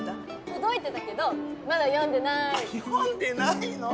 届いてたけどまだ読んでない読んでないの？